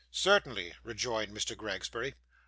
'Certainly,' rejoined Mr. Gregsbury.